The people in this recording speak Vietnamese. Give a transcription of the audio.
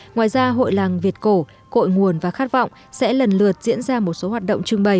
ngoài ra hội làng việt cổ cội nguồn và khát vọng sẽ lần lượt diễn ra một số hoạt động trưng bày